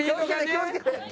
気をつけて！